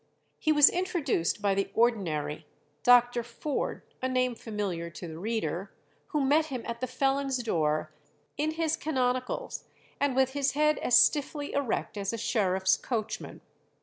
He was introduced by the ordinary, Dr. Forde, a name familiar to the reader, who met him at the felons' door "in his canonicals, and with his head as stiffly erect as a sheriff's coachman."